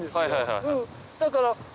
だから。